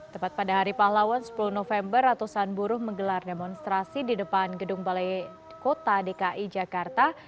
tepat pada hari pahlawan sepuluh november ratusan buruh menggelar demonstrasi di depan gedung balai kota dki jakarta